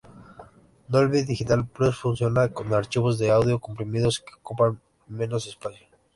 Dolby Digital Plus funciona con archivos de audio comprimidos que ocupan menos espacio.